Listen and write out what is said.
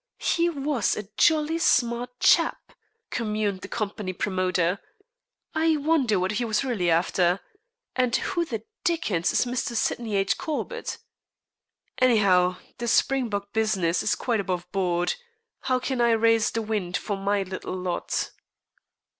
"He was a jolly smart chap," communed the company promoter. "I wonder what he was really after. And who the dickens is Mr. Sydney H. Corbett? Anyhow, the Springbok business is quite above board. How can I raise the wind for my little lot?"